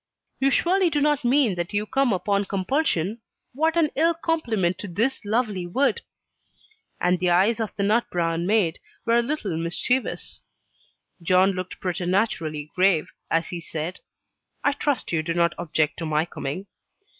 "You surely do not mean that you come upon compulsion? What an ill compliment to this lovely wood." And the eyes of the "nut browne mayde" were a little mischievous. John looked preternaturally grave, as he said, "I trust you do not object to my coming?"